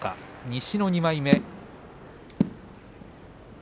西の２枚目。